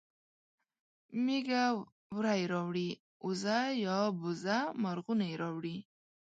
مېږه وری راوړي اوزه یا بزه مرغونی راوړي